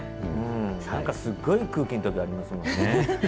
なんかすっごい空気のときありますもんね。